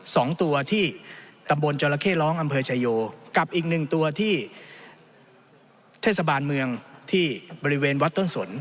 สองตัวที่ตำบลจรเข้ร้องอำเภอชายโยกับอีกหนึ่งตัวที่เทศบาลเมืองที่บริเวณวัดต้นสน